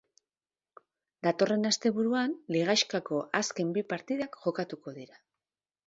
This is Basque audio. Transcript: Datorren asteburuan ligaxkako azken bi partidak jokatuko dira.